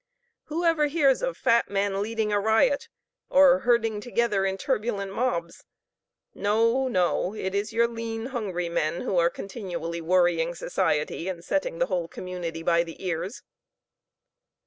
Who ever hears of fat men heading a riot, or herding together in turbulent mobs! No no it is your lean, hungry men who are continually worrying society, and setting the whole community by the ears.